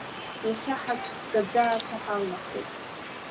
Иахьа ҳаккаӡа ацәа ҳалнахит.